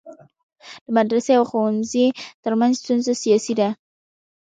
د مدرسي او ښوونځی ترمنځ ستونزه سیاسي ده.